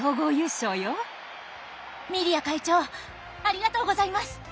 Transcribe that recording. ミリア会長ありがとうございます！